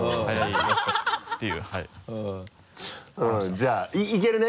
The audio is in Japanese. じゃあいけるね？